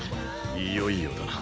いよいよだな。